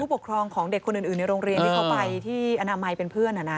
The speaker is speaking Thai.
เป็นผู้ปกครองของเด็กคนอื่นอื่นในโรงเรียนที่เขาไปที่ออนามัยเป็นเพื่อนอ่ะนะ